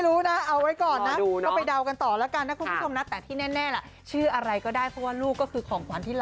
หลอดไฟอะไรอย่างนี้ชื่ออะไรดีแสงสว่าง